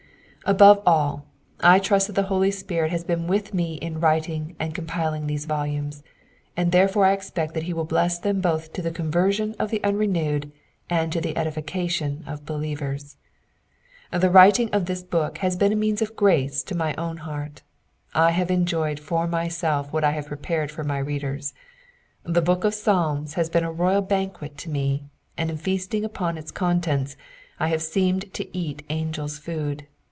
Above all, I trust that the Holy Spirit has been with me in writing and compiling these volumes, and therefore I expect that he will bless them both to the conversion of the unrenewed and to the edification of believers. The writing of this book has been a means of grace to my own heart ; I have enjoyed for my self what I have prepared for my readers. The Book of Psalms has been a royal banquet to me, and in feasting upon its con tents I have seemed to eat angels' food.